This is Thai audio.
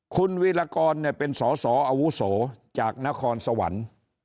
คุณวีรกรเป็นสอสออาวุโสจากนครสวรรค์